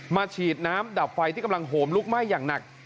ฉีดน้ำดับไฟที่กำลังโหมลุกไหม้อย่างหนัก